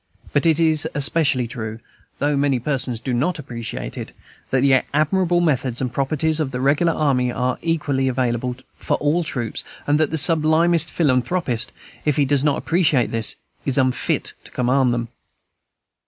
But it is equally true, though many persons do not appreciate it, that the admirable methods and proprieties of the regular army are equally available for all troops, and that the sublimest philanthropist, if he does not appreciate this, is unfit to command them.